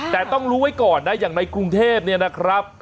แต่ต้องรู้ไว้ก่อนนะอย่างในกรุงเทพเนี่ยนะครับ